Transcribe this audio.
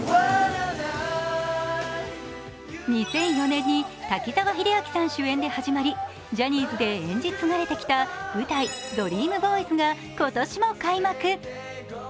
２００４年に滝沢秀明さん主演で始まりジャニーズで演じ継がれてきた舞台「ＤＲＥＡＭＢＯＹＳ」が今年も開幕。